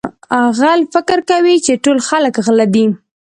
غل فکر کوي چې ټول خلک غله دي.